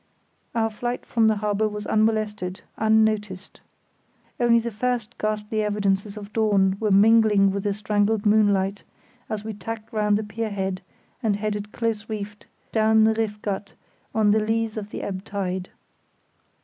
Our flight from the harbour was unmolested, unnoticed. Only the first ghastly evidences of dawn were mingling with the strangled moonlight, as we tacked round the pier head and headed close reefed down the Riff Gat on the lees of the ebb tide.